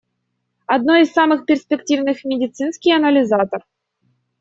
Одно из самых перспективных — медицинский анализатор.